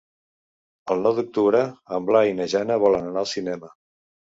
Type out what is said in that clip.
El nou d'octubre en Blai i na Jana volen anar al cinema.